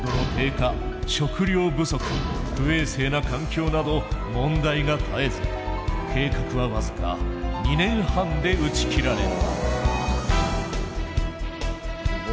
食料不足不衛生な環境など問題が絶えず計画は僅か２年半で打ち切られた。